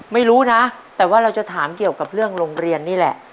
ไม่รู้นะแต่ว่าเราจะถามเกี่ยวกับเรื่องโรงเรียนนี่แหละ